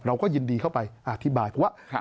เราก็ยินดีเข้าไปอธิบายเพราะว่า